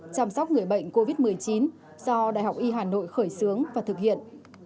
chăm sóc người bệnh covid một mươi chín do đại học y hà nội khởi xướng và thực hiện